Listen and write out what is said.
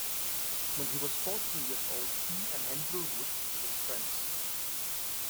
When he was fourteen years old, he and Andrew Wood became friends.